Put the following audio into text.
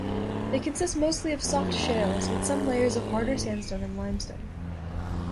They consist mostly of soft shales, with some layers of harder sandstone and limestone.